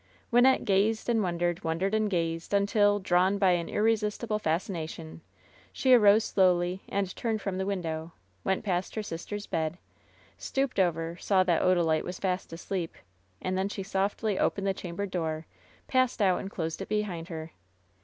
Wynnette gazed and wondered — ^wondered and gazed, until, drawn by an irresistible fascination, she arose slowly and turned from the window, went past her sis ter's bed, stooped over, saw that Odalite was fast asleep, and then she softly opened the chamber door, passed out and closed it behind her.